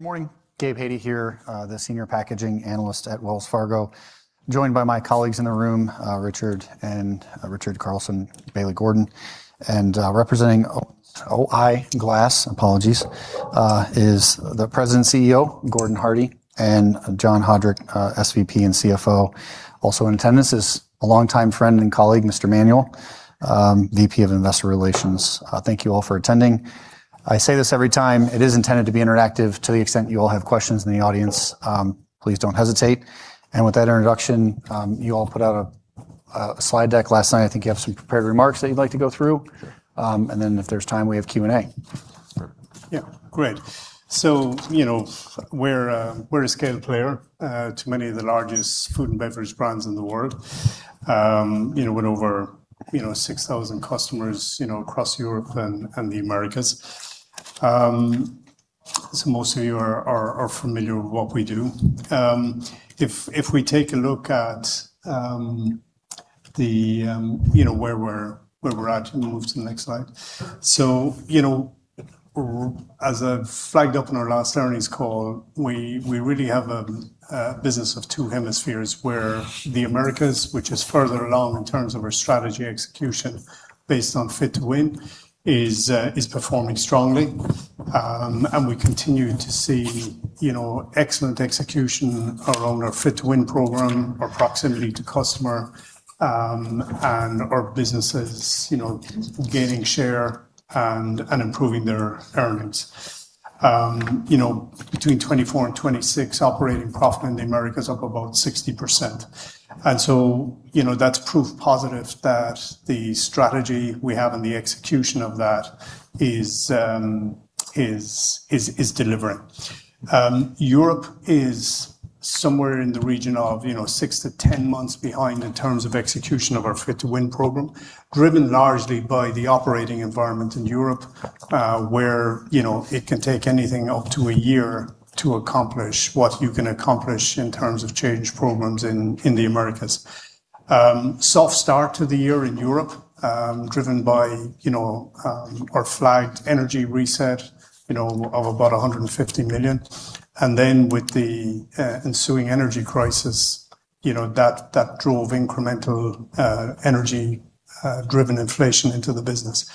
Morning. Gabe Hajde here, the Senior Packaging Analyst at Wells Fargo, joined by my colleagues in the room, Richard Carlson, Bailey Gordon, and representing O-I Glass, apologies, is the President, CEO, Gordon Hardie, and John Haudrich, SVP and CFO. Also in attendance is a longtime friend and colleague, Mr. Manuel, VP of Investor Relations. Thank you all for attending. I say this every time, it is intended to be interactive to the extent you all have questions in the audience, please don't hesitate. With that introduction, you all put out a slide deck last night. I think you have some prepared remarks that you'd like to go through. If there's time, we have Q&A. Yeah. Great. We're a scale player to many of the largest food and beverage brands in the world, with over 6,000 customers across Europe and the Americas. Most of you are familiar with what we do. If we take a look at where we're at and move to the next slide. As I flagged up in our last earnings call, we really have a business of two hemispheres, where the Americas, which is further along in terms of our strategy execution based on Fit to Win, is performing strongly. We continue to see excellent execution around our Fit to Win program, our proximity to customer, and our businesses gaining share and improving their earnings. Between 2024 and 2026, operating profit in the Americas up about 60%. That's proof positive that the strategy we have and the execution of that is delivering. Europe is somewhere in the region of 6 to 10 months behind in terms of execution of our Fit to Win program, driven largely by the operating environment in Europe, where it can take anything up to a year to accomplish what you can accomplish in terms of change programs in the Americas. Soft start to the year in Europe, driven by our flagged energy reset of about $150 million. With the ensuing energy crisis, that drove incremental energy-driven inflation into the business.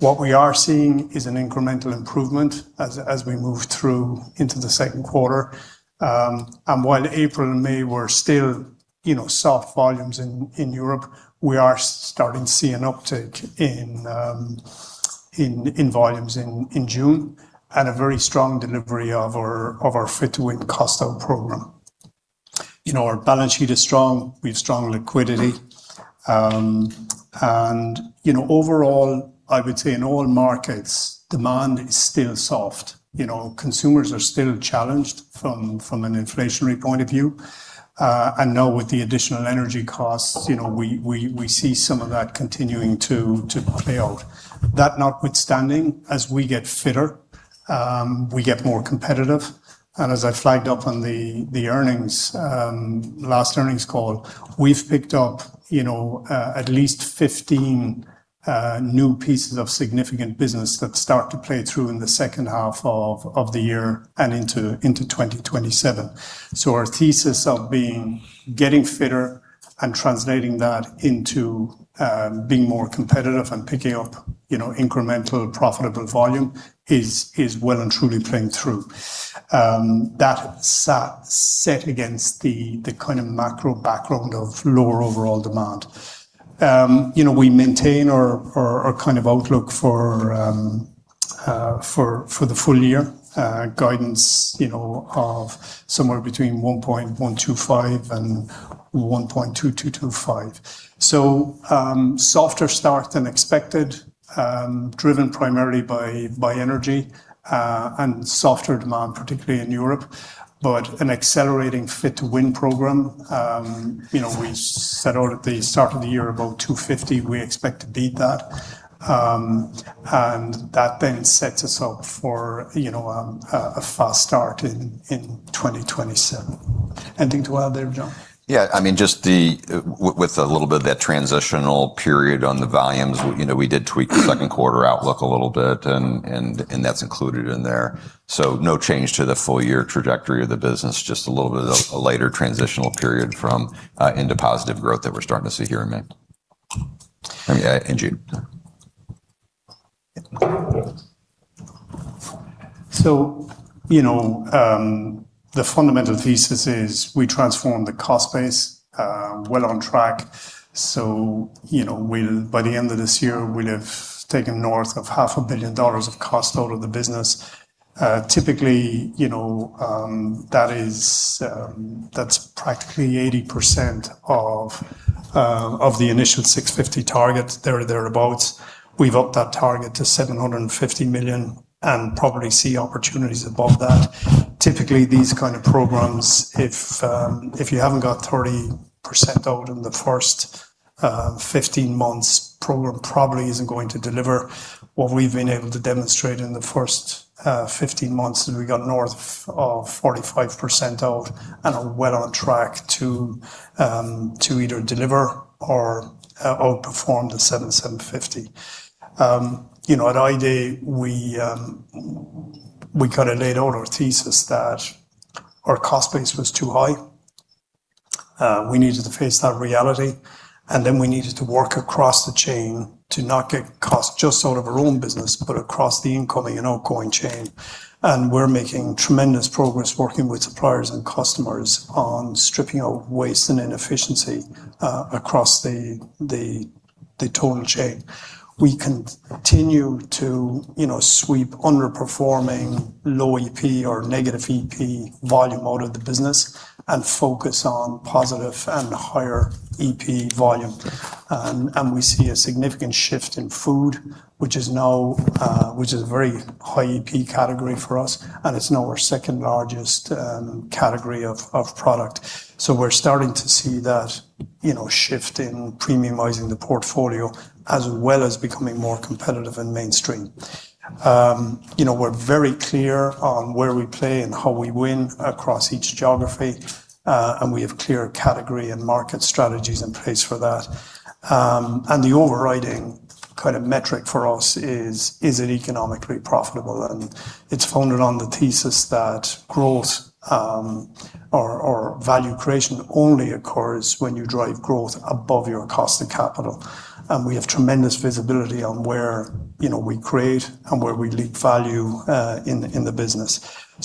What we are seeing is an incremental improvement as we move through into the second quarter. While April and May were still soft volumes in Europe, we are starting to see an uptick in volumes in June and a very strong delivery of our Fit to Win cost-out program. Our balance sheet is strong. We have strong liquidity. Overall, I would say in all markets, demand is still soft. Consumers are still challenged from an inflationary point of view. With the additional energy costs, we see some of that continuing to play out. That notwithstanding, as we get fitter, we get more competitive. As I flagged up on the last earnings call, we've picked up at least 15 new pieces of significant business that start to play through in the second half of the year and into 2027. Our thesis of getting fitter and translating that into being more competitive and picking up incremental profitable volume is well and truly playing through. That set against the kind of macro background of lower overall demand. We maintain our kind of outlook for the full year guidance of somewhere between $1.125 and $1.2225. Softer start than expected, driven primarily by energy and softer demand, particularly in Europe, but an accelerating Fit to Win program. We set out at the start of the year about $250 million. We expect to beat that. That then sets us up for a fast start in 2027. Anything to add there, John? Yeah, just with a little bit of that transitional period on the volumes, we did tweak the second quarter outlook a little bit, and that's included in there. No change to the full year trajectory of the business, just a little bit of a later transitional period into positive growth that we're starting to see here in May, in June. The fundamental thesis is we transform the cost base well on track. By the end of this year, we'll have taken north of $500 million of cost out of the business. Typically, that's practically 80% of the initial $650 million target, there or thereabouts. We've upped that target to $750 million and probably see opportunities above that. Typically, these kind of programs, if you haven't got 30% out in the first 15 months, program probably isn't going to deliver what we've been able to demonstrate in the first 15 months, as we got north of 45% out and are well on track to either deliver or outperform the $700 million-$750 million. At I-Day, we laid out our thesis that our cost base was too high. We needed to face that reality, then we needed to work across the chain to not get cost just out of our own business, but across the incoming and outgoing chain. We're making tremendous progress working with suppliers and customers on stripping out waste and inefficiency across the total chain. We continue to sweep underperforming low EP or negative EP volume out of the business and focus on positive and higher EP volume. We see a significant shift in food, which is a very high EP category for us, and it's now our second-largest category of product. We're starting to see that shift in premiumizing the portfolio, as well as becoming more competitive in mainstream. We're very clear on where we play and how we win across each geography, and we have clear category and market strategies in place for that. The overriding metric for us is: Is it economically profitable? It's founded on the thesis that growth or value creation only occurs when you drive growth above your cost of capital. We have tremendous visibility on where we create and where we leak value in the business.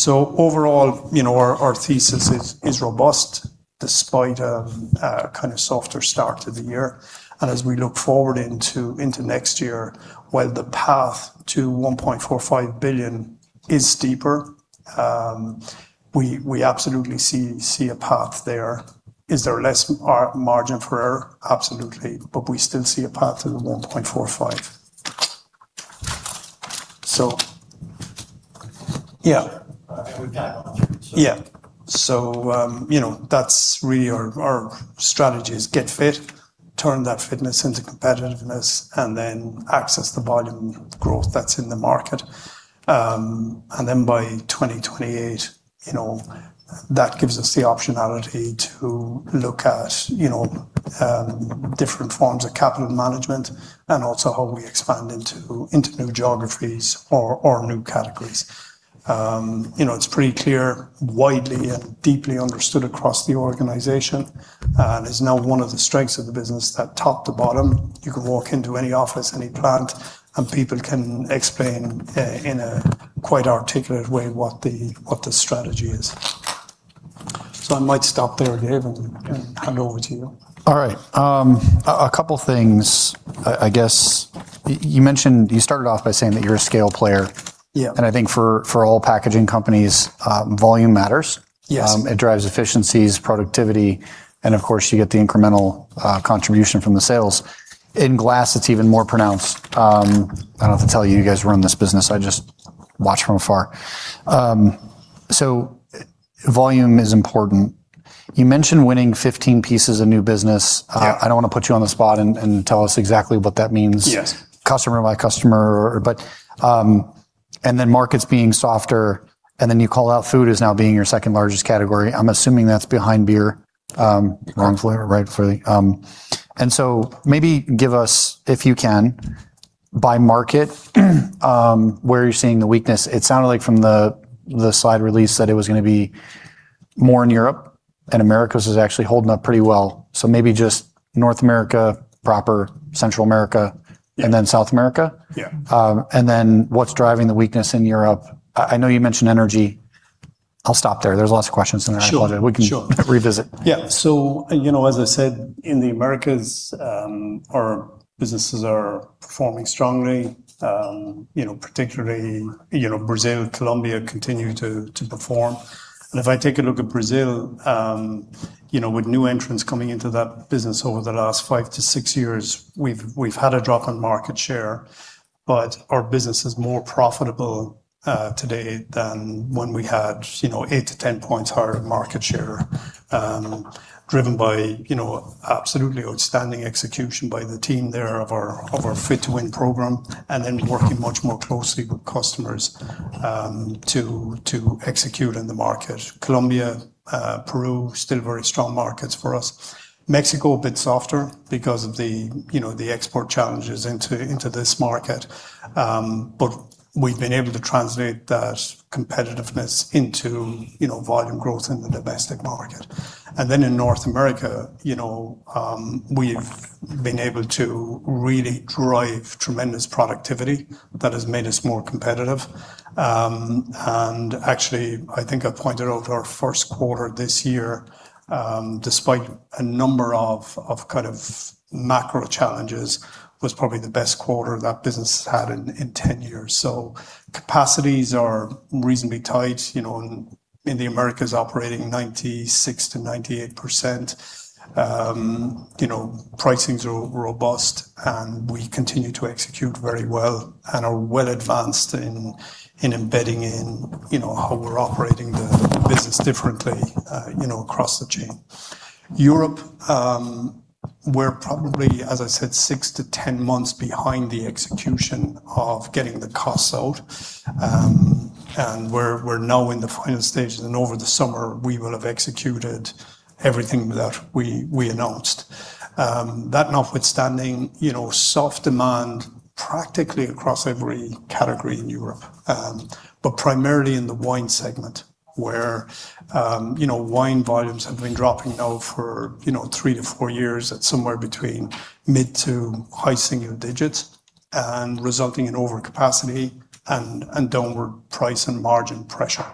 Overall, our thesis is robust despite a softer start to the year. As we look forward into next year, while the path to $1.45 billion is steeper, we absolutely see a path there. Is there less margin for error? Absolutely. We still see a path to the $1.45. Yeah. Sure. With that. Yeah. That's really our strategy is get fit, turn that fitness into competitiveness, and then access the volume growth that's in the market. By 2028, that gives us the optionality to look at different forms of capital management and also how we expand into new geographies or new categories. It's pretty clear, widely and deeply understood across the organization, and is now one of the strengths of the business that top to bottom, you can walk into any office, any plant, and people can explain in a quite articulate way what the strategy is. I might stop there, Gabe, and hand over to you. All right. A couple of things. I guess you started off by saying that you're a scale player. Yeah. I think for all packaging companies, volume matters. Yes. It drives efficiencies, productivity, and, of course, you get the incremental contribution from the sales. In glass, it's even more pronounced. I don't have to tell you guys run this business, I just watch from afar. Volume is important. You mentioned winning 15 pieces of new business. Yeah. I don't want to put you on the spot and tell us exactly what that means. Yes Customer by customer. Markets being softer, and then you call out food as now being your second-largest category. I'm assuming that's behind beer. Correct. Wrongfully or rightfully. Maybe give us, if you can, by market, where you're seeing the weakness. It sounded like from the slide release that it was going to be more in Europe, and Americas is actually holding up pretty well. So maybe just North America proper, Central America. South America. Yeah. What's driving the weakness in Europe? I know you mentioned energy. I'll stop there. There's lots of questions in there. Sure. I thought we can revisit. Yeah. As I said, in the Americas, our businesses are performing strongly. Particularly, Brazil and Colombia continue to perform. If I take a look at Brazil, with new entrants coming into that business over the last five to six years, we've had a drop on market share, but our business is more profitable today than when we had 8 to 10 points higher in market share. Driven by absolutely outstanding execution by the team there of our Fit to Win program, working much more closely with customers to execute in the market. Colombia, Peru, still very strong markets for us. Mexico, a bit softer because of the export challenges into this market. We've been able to translate that competitiveness into volume growth in the domestic market. In North America, we've been able to really drive tremendous productivity that has made us more competitive. Actually, I think I pointed out our first quarter this year, despite a number of macro challenges, was probably the best quarter that business has had in 10 years. Capacities are reasonably tight. In the Americas, operating 96%-98%. Pricings are robust, and we continue to execute very well and are well advanced in embedding in how we're operating the business differently across the chain. Europe, we're probably, as I said, 6 to 10 months behind the execution of getting the costs out. We're now in the final stages, and over the summer, we will have executed everything that we announced. That notwithstanding, soft demand practically across every category in Europe. Primarily in the wine segment, where wine volumes have been dropping now for three to four years at somewhere between mid to high single digits, and resulting in overcapacity and downward price and margin pressure.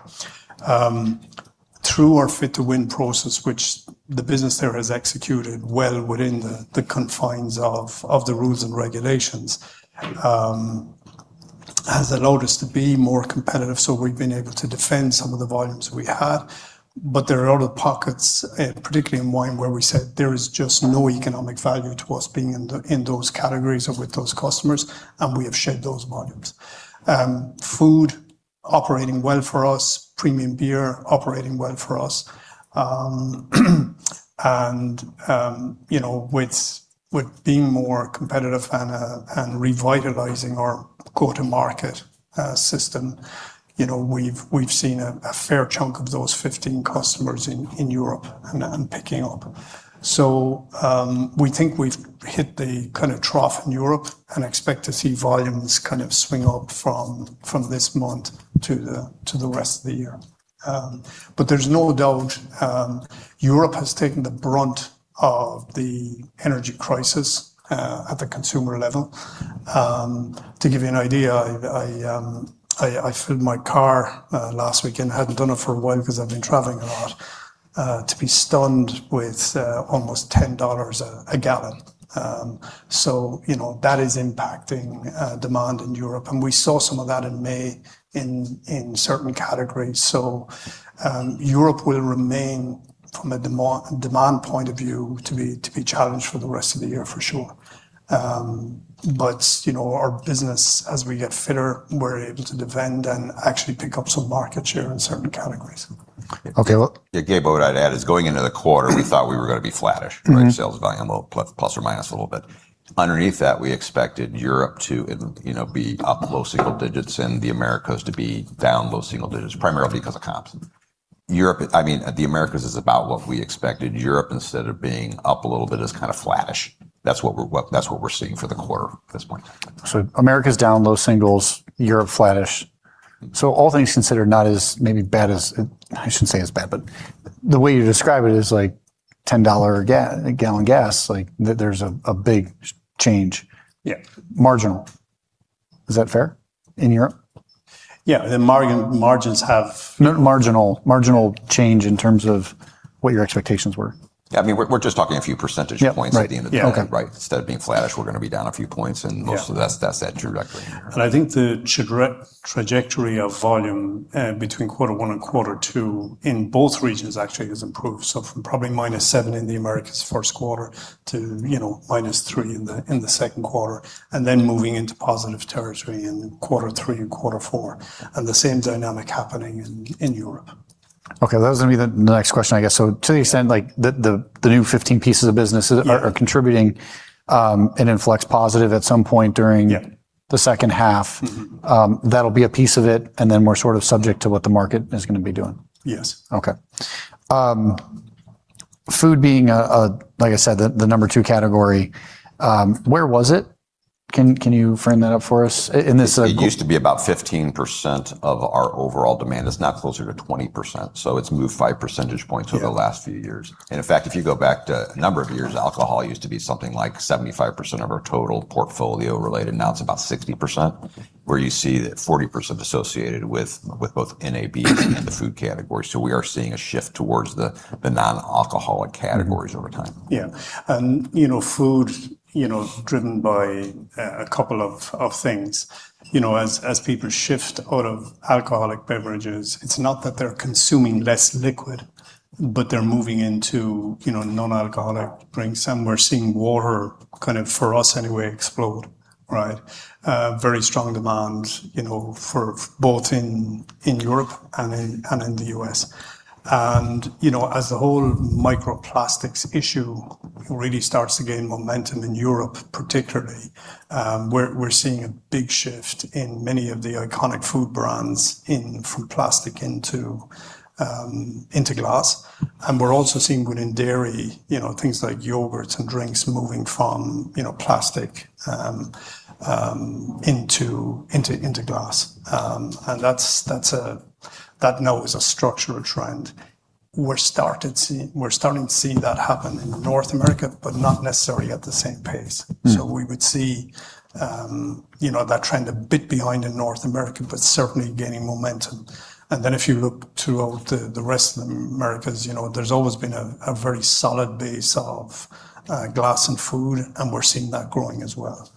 Through our Fit to Win process, which the business there has executed well within the confines of the rules and regulations, has allowed us to be more competitive, we've been able to defend some of the volumes we had. There are other pockets, particularly in wine, where we said there is just no economic value to us being in those categories or with those customers, and we have shed those volumes. Food, operating well for us. Premium beer, operating well for us. With being more competitive and revitalizing our go-to-market system, we've seen a fair chunk of those 15 customers in Europe and picking up. We think we've hit the kind of trough in Europe and expect to see volumes kind of swing up from this month to the rest of the year. There's no doubt Europe has taken the brunt of the energy crisis at the consumer level. To give you an idea, I filled my car last weekend, hadn't done it for a while because I've been traveling a lot, to be stunned with almost $10 a gallon. That is impacting demand in Europe, and we saw some of that in May in certain categories. Europe will remain, from a demand point of view, to be challenged for the rest of the year, for sure. Our business, as we get fitter, we're able to defend and actually pick up some market share in certain categories. Okay. Yeah, Gabe, what I'd add is going into the quarter, we thought we were going to be flattish. Right? Sales volume plus or minus a little bit. Underneath that, we expected Europe to be up low single digits and the Americas to be down low single digits, primarily because of comps. The Americas is about what we expected. Europe, instead of being up a little bit, is kind of flattish. That's what we're seeing for the quarter at this point. Americas down low singles, Europe flattish. All things considered, not as maybe bad as I shouldn't say as bad, but the way you describe it is like $10 a gallon gas, like there's a big change. Yeah Marginal. Is that fair? In Europe? Yeah. The margins. No, marginal change in terms of what your expectations were. Yeah. I mean, we're just talking a few percentage points. Yeah. Right At the end of the day. Okay. Right? Instead of being flattish, we're going to be down a few points, most of that's that trajectory in Europe. I think the trajectory of volume between quarter one and quarter two in both regions actually has improved. From probably -7 in the Americas' first quarter to -3 in the second quarter, then moving into positive territory in quarter three and quarter four, the same dynamic happening in Europe. Okay. To the extent, the new 15 pieces of business are contributing an inflow positive at some point during the second half. That'll be a piece of it, then we're sort of subject to what the market is going to be doing. Yes. Okay. Food being, like I said, the number two category. Where was it? Can you frame that up for us? In this- It used to be about 15% of our overall demand. It's now closer to 20%, so it's moved five percentage points over the last few years. In fact, if you go back to a number of years, alcohol used to be something like 75% of our total portfolio related; now it's about 60%, where you see that 40% associated with both NAB and the food category. We are seeing a shift towards the non-alcoholic categories over time. Yeah. Food, driven by a couple of things. As people shift out of alcoholic beverages, it's not that they're consuming less liquid, but they're moving into non-alcoholic drinks. We're seeing water kind of, for us anyway, explode. Right? A very strong demand both in Europe and in the U.S. As the whole microplastics issue really starts to gain momentum in Europe, particularly, we're seeing a big shift in many of the iconic food brands in, from plastic into glass. We're also seeing within dairy, things like yogurts and drinks moving from plastic into glass. That now is a structural trend. We're starting to see that happen in North America, but not necessarily at the same pace. We would see that trend a bit behind in North America, but certainly gaining momentum. If you look throughout the rest of the Americas, there's always been a very solid base of glass and food, and we're seeing that growing as well.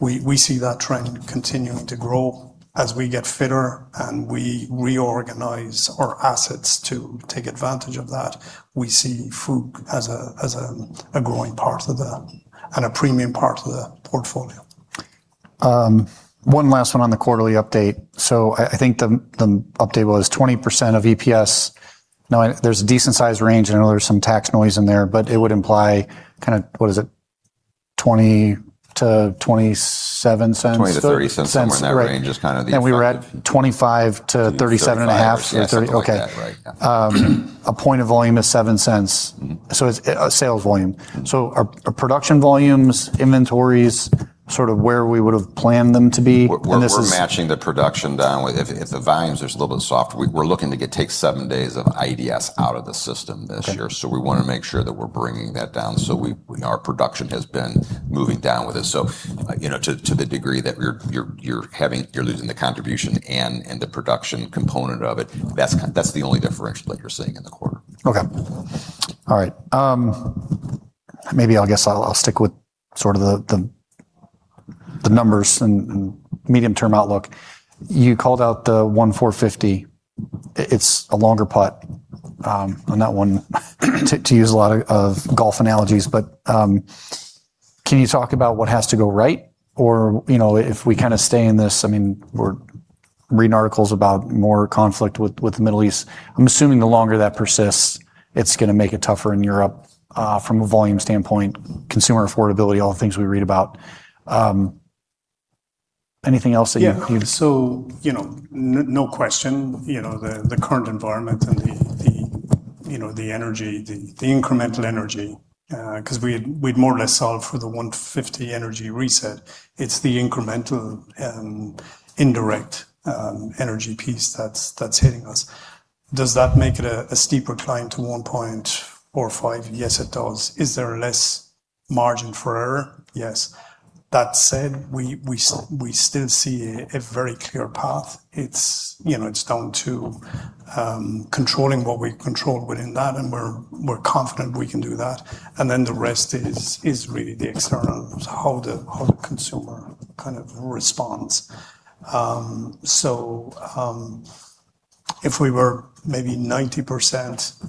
We see that trend continuing to grow as we get fitter and we reorganize our assets to take advantage of that. We see food as a growing part of that and a premium part of the portfolio. One last one on the quarterly update. I think the update was 20% of EPS. Now there's a decent size range, and I know there's some tax noise in there, but it would imply kind of, what is it? $0.20-$0.27. $0.20-$0.30. Somewhere in that range is kind of the. We're at $0.25-$0.375? $0.25 or something like that. Right. Yeah. A point of volume is $0.07. It's a sales volume. Are production volumes, inventories, sort of where we would've planned them to be? We're matching the production down. If the volumes are just a little bit soft, we're looking to take seven days of IDS out of the system this year. Okay. We want to make sure that we're bringing that down. Our production has been moving down with it. To the degree that you're losing the contribution and the production component of it, that's the only differential that you're seeing in the quarter. Okay. All right. Maybe I'll stick with sort of the numbers and medium-term outlook. You called out the 1.450. It's a longer putt on that one to use a lot of golf analogies. Can you talk about what has to go right? If we kind of stay in this, we're reading articles about more conflict with the Middle East. I'm assuming the longer that persists, it's going to make it tougher in Europe, from a volume standpoint, consumer affordability, all the things we read about. Anything else that you would add? Yeah. No question, the current environment and the incremental energy, because we'd more or less solved for the 1.50 energy reset. It's the incremental indirect energy piece that's hitting us. Does that make it a steeper climb to 1.45? Yes, it does. Is there less margin for error? Yes. That said, we still see a very clear path. It's down to controlling what we control within that, and we're confident we can do that. The rest is really the external, how the consumer kind of responds. If we were maybe 90%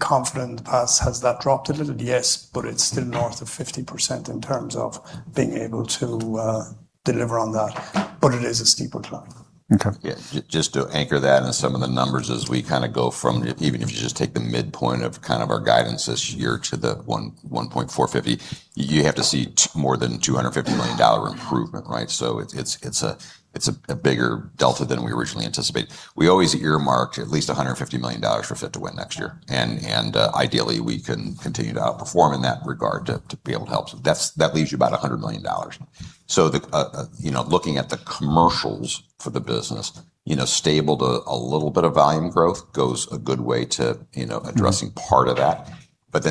confident in the past, has that dropped a little? Yes, but it's still north of 50% in terms of being able to deliver on that. It is a steeper climb. Okay. Yeah. Just to anchor that and some of the numbers as we kind of go from, even if you just take the midpoint of kind of our guidance this year to the 1.450, you have to see more than a $250 million improvement, right? It's a bigger delta than we originally anticipated. We always earmark at least $150 million for Fit to Win next year. Ideally, we can continue to outperform in that regard to be able to help. That leaves you about $100 million. Looking at the commercials for the business, stable to a little bit of volume growth goes a good way to addressing part of that.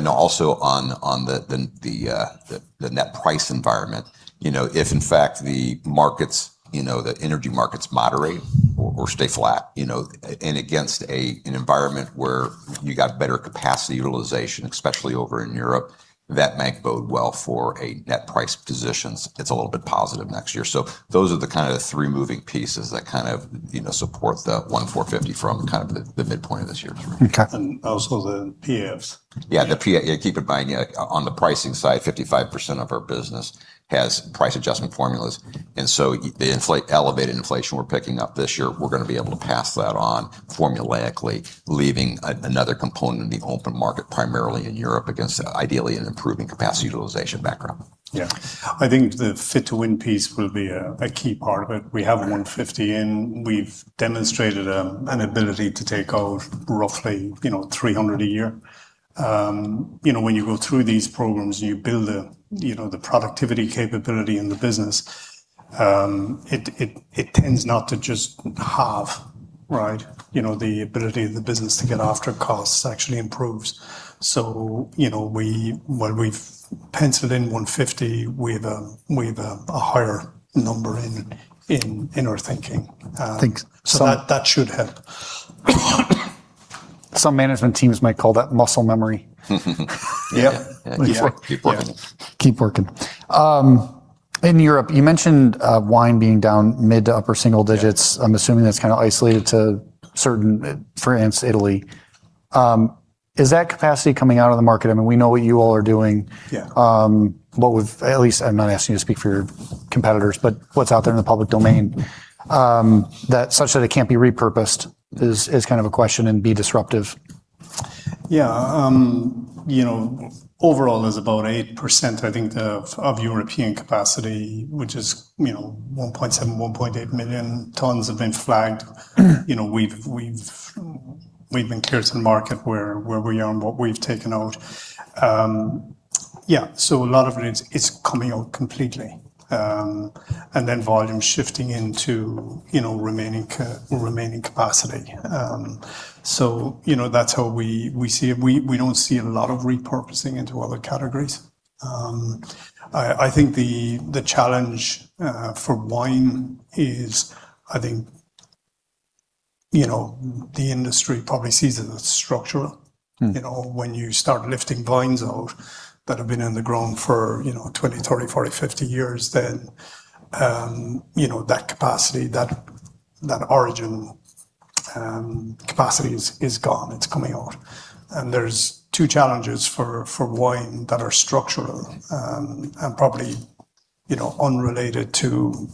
Also on the net price environment, if in fact the energy markets moderate or stay flat, and against an environment where you got better capacity utilization, especially over in Europe, that may bode well for a net price positions. It's a little bit positive next year. Those are the kind of the three moving pieces that kind of support the 1.450 from kind of the midpoint of this year. Okay. Also, the PAFs. Keep in mind, on the pricing side, 55% of our business has price adjustment formulas. The elevated inflation we're picking up this year, we're going to be able to pass that on formulaically, leaving another component in the open market, primarily in Europe, against ideally an improving capacity utilization background. I think the Fit to Win piece will be a key part of it. We have 150 in. We've demonstrated an ability to take out roughly 300 a year. When you go through these programs, you build the productivity capability in the business. It tends not to just halve, right? The ability of the business to get after costs actually improves. While we've penciled in 150, we have a higher number in our thinking. Thanks. That should help. Some management teams might call that muscle memory. Yep. Keep working. Yeah. Keep working. In Europe, you mentioned wine being down mid to upper single digits. I'm assuming that's kind of isolated to certain, France, Italy. Is that capacity coming out of the market? We know what you all are doing. Yeah. At least I'm not asking you to speak for your competitors, what's out there in the public domain, such that it can't be repurposed, is kind of a question, and be disruptive? Overall, there's about 8%, I think, of European capacity, which is 1.7, 1.8 million tons have been flagged. We've been clear to the market where we are and what we've taken out. A lot of it is coming out completely, then volume shifting into remaining capacity. That's how we see it. We don't see a lot of repurposing into other categories. I think the challenge for wine is, I think, the industry probably sees it as structural. When you start lifting vines out that have been in the ground for 20, 30, 40, 50 years, then that origin capacity is gone. It's coming out. There's two challenges for wine that are structural, probably unrelated to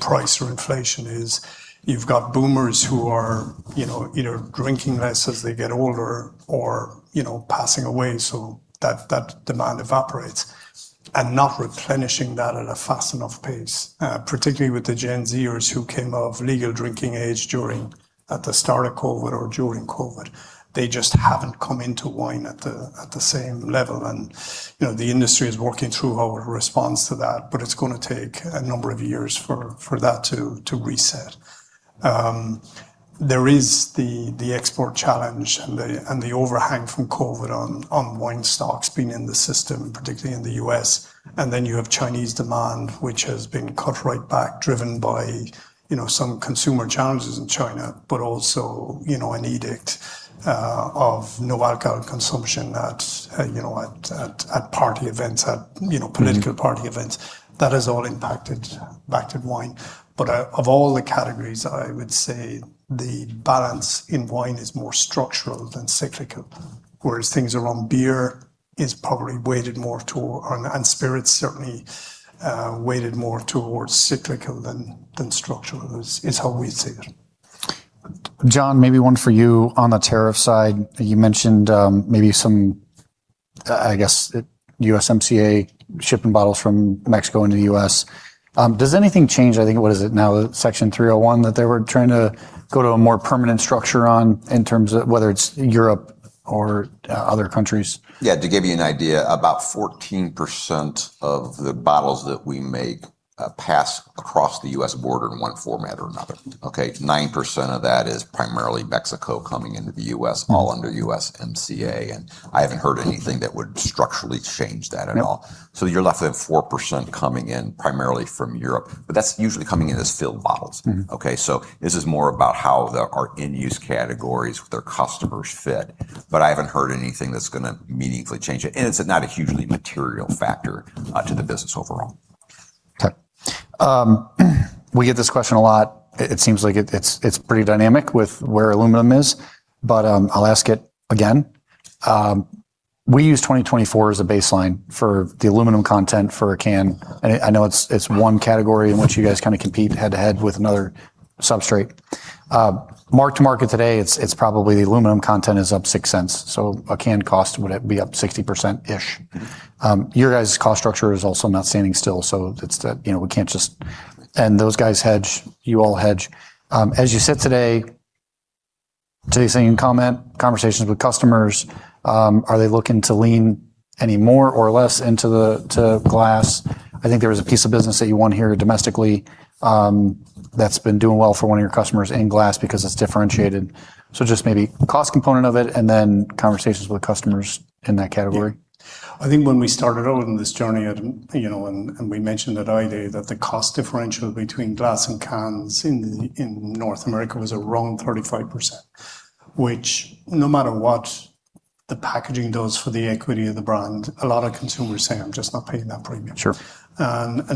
price or inflation is you've got boomers who are either drinking less as they get older or passing away, so that demand evaporates and not replenishing that at a fast enough pace, particularly with the Gen Z-ers who came of legal drinking age at the start of COVID or during COVID. They just haven't come into wine at the same level. The industry is working through our response to that, but it's going to take a number of years for that to reset. There is the export challenge and the overhang from COVID on wine stocks being in the system, particularly in the U.S. Then you have Chinese demand, which has been cut right back, driven by some consumer challenges in China, but also an edict of no alcohol consumption at party events, at political party events. That has all impacted wine. Of all the categories, I would say the balance in wine is more structural than cyclical, whereas things around beer is probably weighted more toward, spirits certainly weighted more towards cyclical than structural, is how we'd see it. John, maybe one for you on the tariff side. You mentioned maybe some, I guess, USMCA shipping bottles from Mexico into the U.S. Does anything change? I think what is it now, Section 301, that they were trying to go to a more permanent structure on in terms of whether it's Europe or other countries? Yeah, to give you an idea, about 14% of the bottles that we make pass across the U.S. border in one format or another. Okay? 9% of that is primarily Mexico coming into the U.S., all under USMCA. I haven't heard anything that would structurally change that at all. Yeah. You're left with 4% coming in primarily from Europe. That's usually coming in as filled bottles. Okay? This is more about how our end-use categories with their customers fit. I haven't heard anything that's going to meaningfully change it's not a hugely material factor to the business overall. Okay. We get this question a lot. It seems like it's pretty dynamic with where aluminum is, but I'll ask it again. We use 2024 as a baseline for the aluminum content for a can. I know it's one category in which you guys kind of compete head-to-head with another substrate. Mark to market today, it's probably the aluminum content is up $0.06, so a can cost would be up 60% ish. Your guys' cost structure is also not standing still; we can't just. Those guys hedge, you all hedge. As you sit today's earning comment, conversations with customers, are they looking to lean any more or less into glass? I think there was a piece of business that you won here domestically that's been doing well for one of your customers in glass because it's differentiated. Just maybe cost component of it and then conversations with customers in that category. Yeah. I think when we started out on this journey, we mentioned at I-Day that the cost differential between glass and cans in North America was around 35%, which, no matter what the packaging does for the equity of the brand, a lot of consumers say, "I'm just not paying that premium.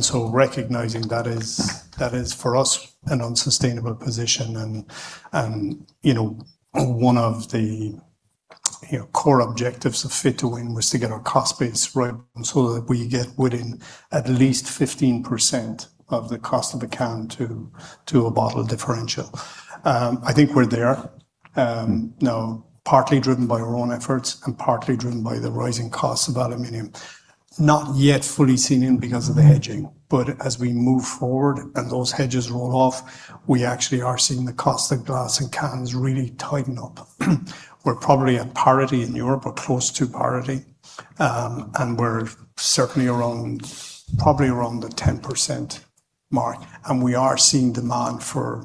Sure. Recognizing that is, for us, an unsustainable position and one of the core objectives of Fit to Win was to get our cost base right so that we get within at least 15% of the cost of a can to a bottle differential. I think we're there. Partly driven by our own efforts and partly driven by the rising costs of aluminum. Not yet fully seen in because of the hedging, as we move forward and those hedges roll off, we actually are seeing the cost of glass and cans really tighten up. We're probably at parity in Europe or close to parity, and we're certainly around, probably around the 10% mark, and we are seeing demand for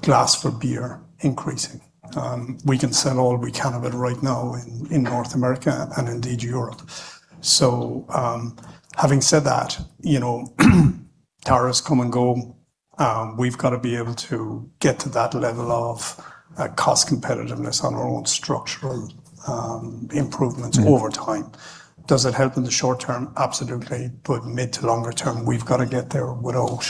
glass-for-beer increasing. We can sell all we can of it right now in North America and indeed Europe. Having said that, tariffs come and go. We've got to be able to get to that level of cost competitiveness on our own structural improvements over time. Does it help in the short term? Absolutely. But mid to longer term, we've got to get there without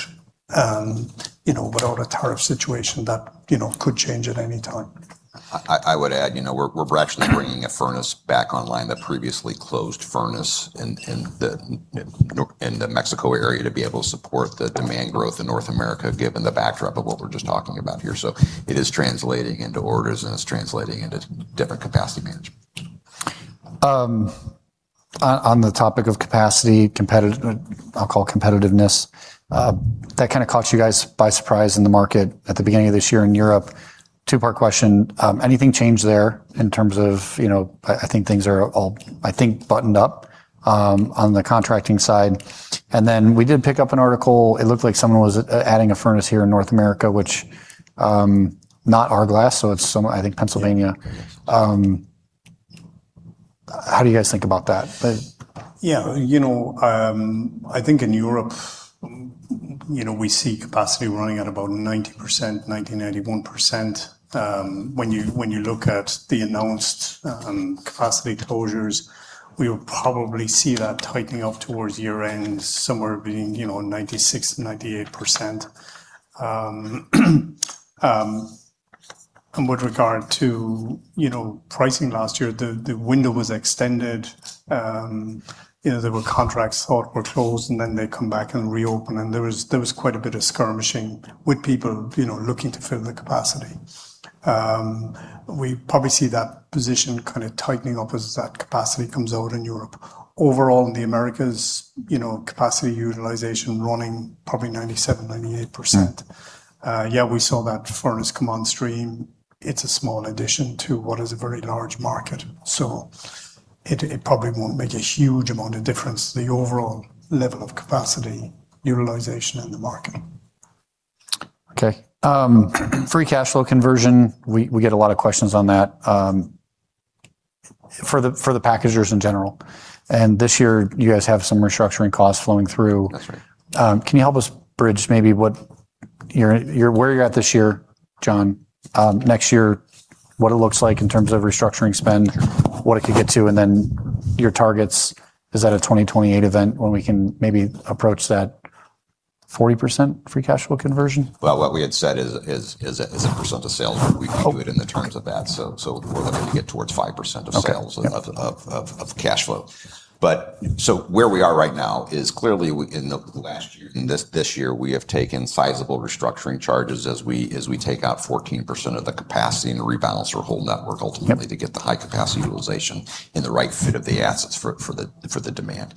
a tariff situation that could change at any time. I would add, we're actually bringing a furnace back online, that previously closed furnace in the Mexico area, to be able to support the demand growth in North America, given the backdrop of what we're just talking about here. It is translating into orders, and it's translating into different capacity management. On the topic of capacity, I'll call competitiveness, that kind of caught you guys by surprise in the market at the beginning of this year in Europe. Two-part question. Anything change there in terms of, I think things are all, I think, buttoned up on the contracting side. We did pick up an article. It looked like someone was adding a furnace here in North America, which, not our glass, so it's somewhere, I think Pennsylvania. How do you guys think about that? Yeah. I think in Europe we see capacity running at about 90%, 90, 91%. When you look at the announced capacity closures, we'll probably see that tightening up towards year-end, somewhere being 96%, 98%. With regard to pricing last year, the window was extended. There were contracts thought were closed, and then they come back and reopen. There was quite a bit of skirmishing with people looking to fill the capacity. We probably see that position kind of tightening up as that capacity comes out in Europe. Overall, in the Americas, capacity utilization running probably 97%, 98%. Yeah, we saw that furnace come on stream. It's a small addition to what is a very large market. It probably won't make a huge amount of difference to the overall level of capacity utilization in the market. Okay. Free cash flow conversion, we get a lot of questions on that for the packagers in general. This year, you guys have some restructuring costs flowing through. That's right. Can you help us bridge maybe where you're at this year, John, next year, what it looks like in terms of restructuring spend, what it could get to, and then your targets? Is that a 2028 event when we can maybe approach that 40% free cash flow conversion? Well, what we had said is a percent of sales. We view it in the terms of that. We're looking to get towards 5% of sales of cash flow. Where we are right now is clearly in the last year; in this year, we have taken sizable restructuring charges as we take out 14% of the capacity and rebalance our whole network ultimately. To get the high capacity utilization and the right fit of the assets for the demand.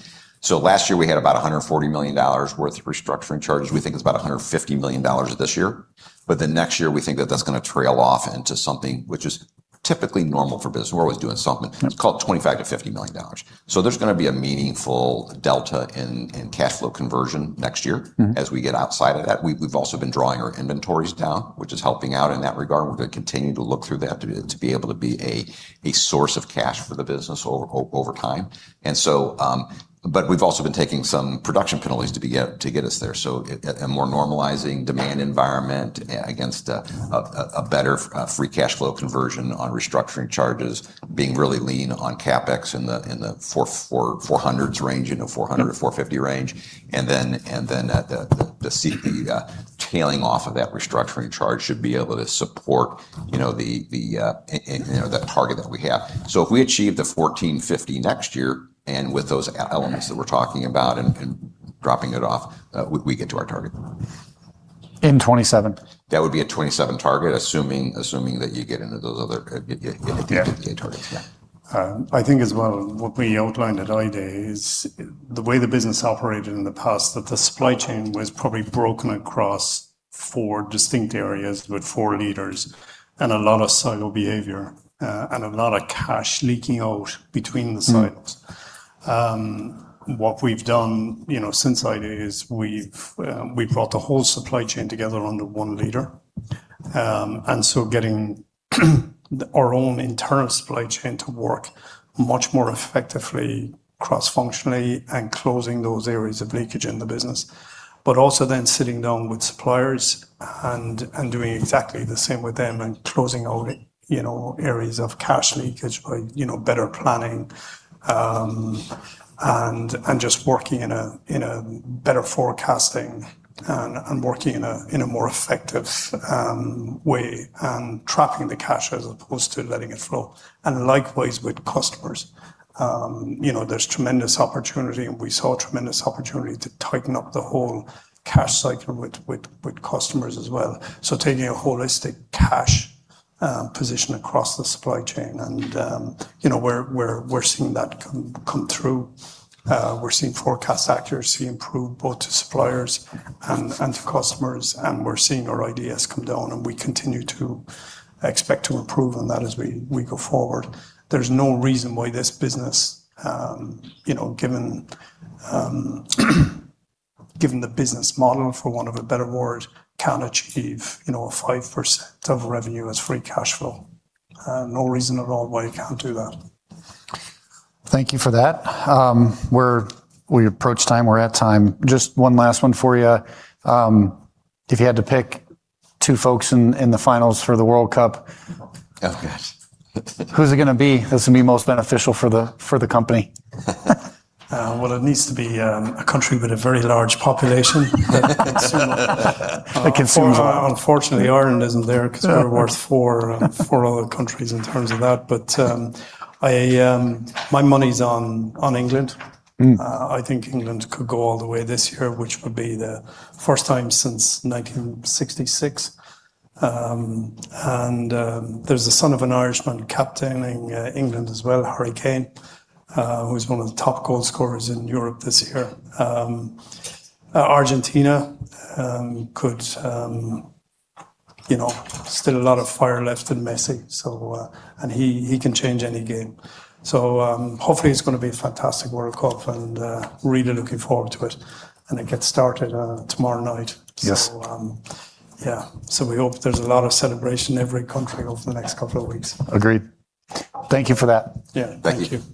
Last year we had about $140 million worth of restructuring charges. We think it's about $150 million this year. Next year, we think that's going to trail off into something which is typically normal for business. We're always doing something. Yeah. It's called $25 million-$50 million. There's going to be a meaningful delta in cash flow conversion next year. As we get outside of that. We've also been drawing our inventories down, which is helping out in that regard. We're going to continue to look through that to be able to be a source of cash for the business over time. We've also been taking some production penalties to get us there. A more normalizing demand environment against a better free cash flow conversion on restructuring charges, being really lean on CapEx in the 400s range, in the $400-$450 range. The CP, the tailing off of that restructuring charge should be able to support the target that we have. If we achieve the $1,450 next year, and with those elements that we're talking about and dropping it off, we get to our target. In 2027? That would be a 2027 target, assuming that you get into those. Yeah Get into the targets. Yeah. I think as well, what we outlined at I-Day is the way the business operated in the past, that the supply chain was probably broken across four distinct areas with four leaders and a lot of silo behavior, and a lot of cash leaking out between the silos. What we've done since I-Day is we've brought the whole supply chain together under one leader. Getting our own internal supply chain to work much more effectively cross-functionally and closing those areas of leakage in the business, sitting down with suppliers and doing exactly the same with them and closing out areas of cash leakage by better planning, just working in a better forecasting and working in a more effective way and trapping the cash as opposed to letting it flow. Likewise with customers. There's tremendous opportunity, and we saw tremendous opportunity to tighten up the whole cash cycle with customers as well. Taking a holistic cash position across the supply chain, and we're seeing that come through. We're seeing forecast accuracy improve both to suppliers and to customers, and we're seeing our IDAs come down, and we continue to expect to improve on that as we go forward. There's no reason why this business, given the business model, for want of a better word, can't achieve 5% of revenue as free cash flow. No reason at all why you can't do that. Thank you for that. We approach time. We're at time. Just one last one for you. If you had to pick two folks in the finals for the World Cup? Oh, gosh. Who's it going to be? Who's going to be most beneficial for the company? Well, it needs to be a country with a very large population. It can swing a lot. Unfortunately, Ireland isn't there because we're worse four out of four other countries in terms of that. My money's on England. I think England could go all the way this year, which would be the first time since 1966. There's a son of an Irishman captaining England as well, Harry Kane, who is one of the top goal scorers in Europe this year. Argentina could. Still a lot of fire left in Messi, so and he can change any game. Hopefully, it's going to be a fantastic World Cup, and really looking forward to it. It gets started tomorrow night. Yes. Yeah. We hope there's a lot of celebration in every country over the next couple of weeks. Agreed. Thank you for that. Yeah. Thank you.